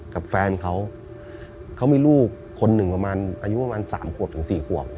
กับแฟนเขาเขามีลูกคนหนึ่งประมาณอายุประมาณ๓ขวบถึง๔ขวบ